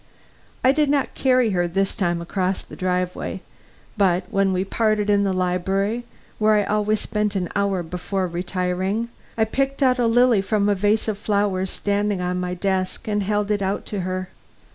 I did not carry her this time across the driveway; but when we parted in the library, where I always spent an hour before retiring, I picked out a lily from a vase of flowers standing on my desk and held it out to her.